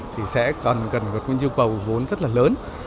thì sẽ còn cần một nguyên dụng cầu vốn rất là lớn